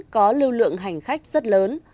có lưu lượng hành khách rất lớn